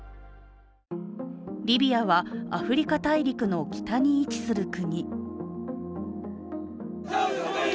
リビアはアフリカ大陸の北に位置する国。